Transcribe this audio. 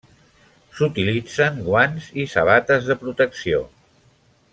S'utilitzen guants i sabates de protecció.